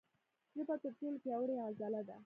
ژبه تر ټولو پیاوړې عضله ده.